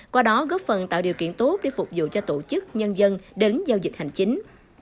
qua đó góp phần tạo điều kiện tốt để phục vụ cho tổ chức nhân dân đến giao dịch hành chính